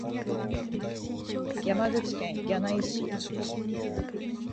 山口県柳井市